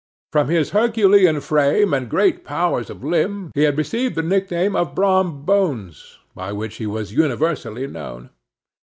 From his Herculean frame and great powers of limb he had received the nickname of BROM BONES, by which he was universally known.